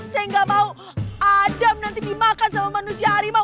saya nggak mau adam nanti dimakan sama manusia harimau